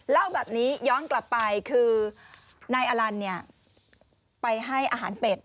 เล่าแบบนี้ย้อนกลับไปคือนายอลันเนี่ยไปให้อาหารเป็ด